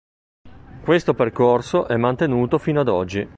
Questo percorso è mantenuto fino ad oggi.